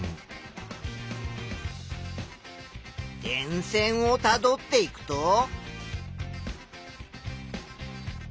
電線をたどっていくと。